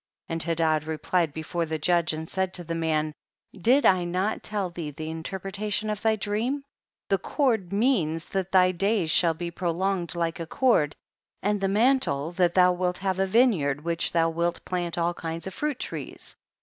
38. And Hedad replied before the judge and said to the man, did I not tell thee the interpretation of thy dream ? the cord means that thy days shall be prolonged like a cord, and the mantle, that thou wilt have a vineyard in which thou wilt plant all kinds of fruit trees.